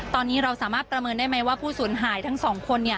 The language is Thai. ตอนนี้เราสามารถประเมินได้ไหมว่าผู้สูญหายทั้งสองคน